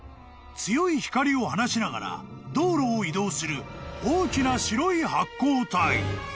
［強い光を放ちながら道路を移動する大きな白い発光体］